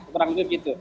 kurang lebih begitu